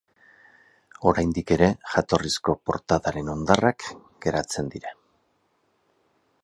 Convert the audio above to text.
Oraindik ere jatorrizko portadaren hondarrak geratzen dira.